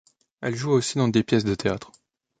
Elle joue aussi dans des pièces de théâtre.